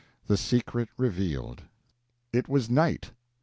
THE SECRET REVEALED. It was night.